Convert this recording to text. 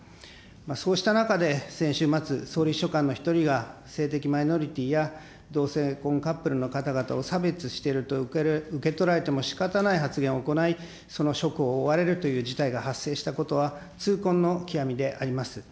そうした中で、先週末、総理秘書官の１人が性的マイノリティや同性婚カップルの方々を差別していると受け取られてもしかたない発言を行い、その職を追われるという事態が発生したことは、痛恨の極みであります。